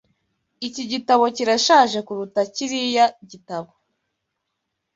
Iki gitabo kirashaje kuruta kiriya gitabo.